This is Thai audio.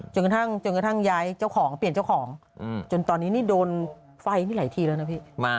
จนกระทั่งจนกระทั่งย้ายเจ้าของเปลี่ยนเจ้าของจนตอนนี้นี่โดนไฟนี่หลายทีแล้วนะพี่